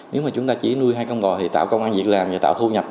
nếu mà chúng ta chỉ nuôi hai con bò thì tạo công an việc làm và tạo thu nhập